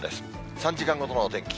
３時間ごとのお天気。